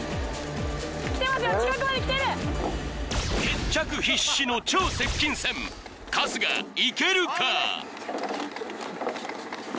決着必至の超接近戦春日いけるか？